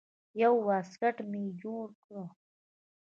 يو واسکټ مې جوړ کړ.